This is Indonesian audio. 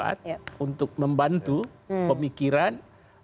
jadi dia harus kuat untuk membantu pemikiran